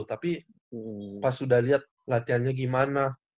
tapi pas udah liat latihannya gimana